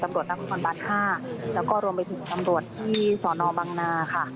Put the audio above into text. ตำลวจทางความบัดห้าแล้วก็รวมไปถึงตำลวจที่สอนอบังนาค่ะ